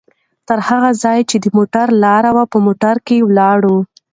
تر هغه ځایه چې د موټر لاره وه، په موټر کې ولاړو؛